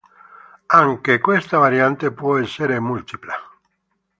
Anche questa variante può essere multipla.